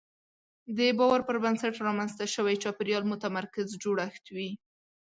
د باور پر بنسټ رامنځته شوی چاپېریال متمرکز جوړښت وي.